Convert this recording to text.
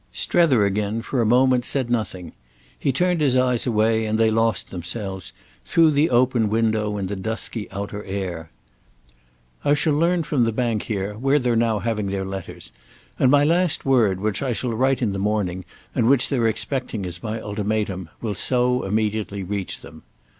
Strether again, for a moment, said nothing; he turned his eyes away, and they lost themselves, through the open window, in the dusky outer air. "I shall learn from the Bank here where they're now having their letters, and my last word, which I shall write in the morning and which they're expecting as my ultimatum, will so immediately reach them."